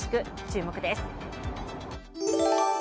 注目です。